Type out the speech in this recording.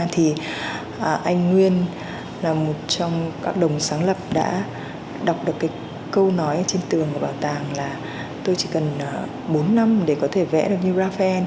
thì anh nguyên là một trong các đồng sáng lập đã đọc được cái câu nói trên tường của bảo tàng là tôi chỉ cần bốn năm để có thể vẽ được như rafael